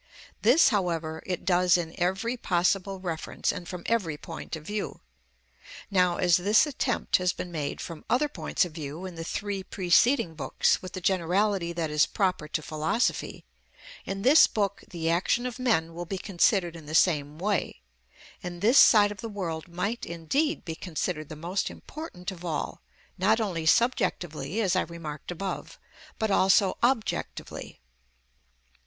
This, however, it does in every possible reference and from every point of view. Now, as this attempt has been made from other points of view in the three preceding books with the generality that is proper to philosophy, in this book the action of men will be considered in the same way; and this side of the world might, indeed, be considered the most important of all, not only subjectively, as I remarked above, but also objectively.